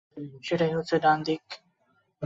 সেটাই হচ্ছে ডানদিক।